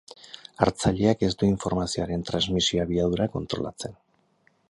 Hartzaileak ez du informazioaren transmisio abiadura kontrolatzen.